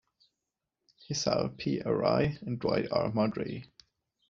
Hisao P. Arai and Dwight R. Mudry.